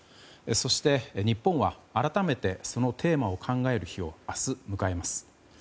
そして、日本は改めてそのテーマを考える日を明日、迎えます。